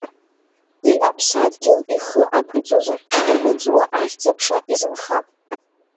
Уи аԥсадгьыл ихы ақәиҵозар, имыӡуа ахьӡ-аԥша изынхап.